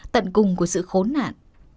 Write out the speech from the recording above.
tận cùng của sự khốn nạn